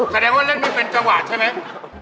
แสดงว่าเล่นไม่เป็นจังหวะใช่ไหม